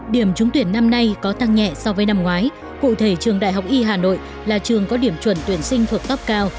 điểm trúng tuyển năm nay có tăng nhẹ so với năm ngoái cụ thể trường đại học y hà nội là trường có điểm chuẩn tuyển sinh thuộc tóc cao